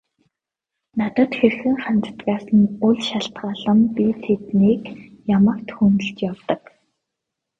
Надад хэрхэн ханддагаас нь үл шалтгаалан би тэднийг ямагт хүндэтгэж явдаг.